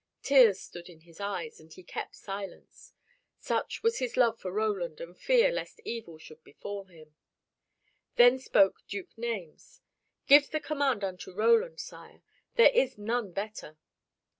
Tears stood in his eyes, and he kept silence. Such was his love for Roland and fear lest evil should befall him. Then spoke Duke Naimes, "Give the command unto Roland, Sire; there is none better."